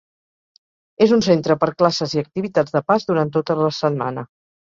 És un centre per classes i activitats de pas durant tota la setmana.